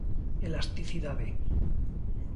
Elasticidade.